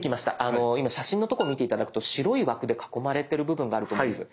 今写真のとこ見て頂くと白い枠で囲まれてる部分があると思うんです。